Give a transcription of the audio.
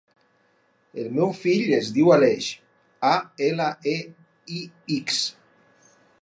El meu fill es diu Aleix: a, ela, e, i, ics.